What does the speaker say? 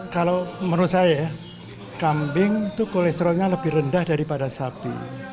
kalau menurut saya ya kambing itu kolesterolnya lebih rendah daripada sapi